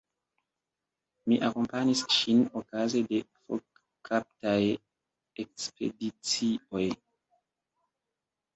Mi akompanis ŝin okaze de fokkaptaj ekspedicioj.